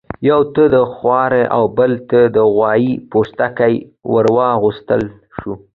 یوه ته د خرۀ او بل ته د غوايي پوستکی ورواغوستل شو.